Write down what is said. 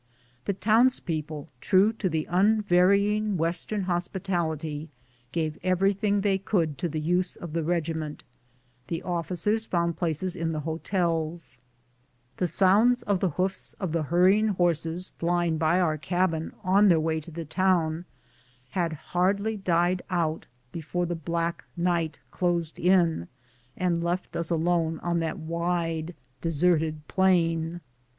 The towns people, true to the unvarying western hospitality, gave everything they could to the use of the regiment ; the officers found places in the hotels. A BLIZZARD. 21 The sounds of the hoofs of the hurrying horses flying by our cabin on their way to the town had hardly died out before the black night closed in and left us alone on that wide, deserted plain.